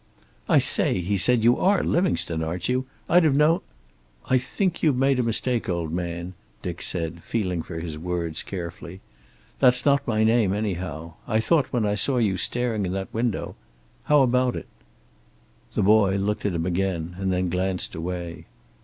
"I say," he said. "You are Livingstone, aren't you? I'd have known " "I think you've made a mistake, old man," Dick said, feeling for his words carefully. "That's not my name, anyhow. I thought, when I saw you staring in at that window How about it?" The boy looked at him again, and then glanced away.